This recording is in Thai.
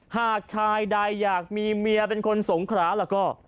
หากชายใดอยากมีเมียเป็นคนสงขราแล้วก็